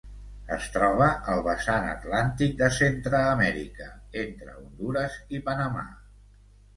Es troba al vessant atlàntic de Centreamèrica entre Hondures i Panamà.